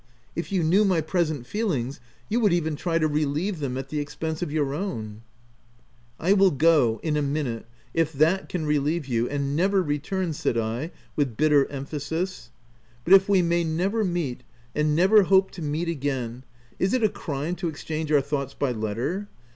If you knew my present feelings, you would even try to relieve them at the expense of your own. " 1 will go — in a minute, if that can relieve you — and never return !" said I with bitter emphasis —" But, if we may never meet, and never hope to meet again, is it a crime to ex change our thoughts by letter?